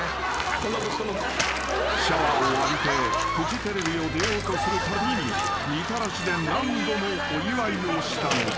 ［シャワーを浴びてフジテレビを出ようとするたびにみたらしで何度もお祝いをしたのだ］